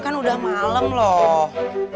kan udah malem loh